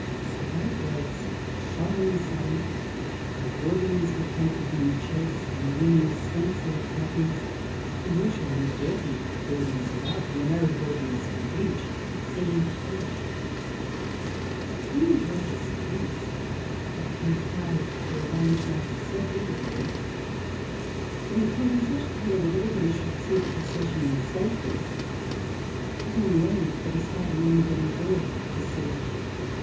The white roads shone in the sun; the hoardings were painted in chaste linear sten cilled patterns ; the usually dirty buildings above, where no hoardings could reach, seemed polished, but King George's police had contrived to arrange matters so beautifully ; they had taken such care that everybody should see the Procession in safety that in the end there was hardly anybody there to see it!